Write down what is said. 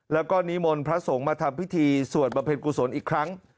แล้วก็นิมนต์พระสงฆ์มาทำพิธีสวดบำเพ็ญกุศลอีกครั้ง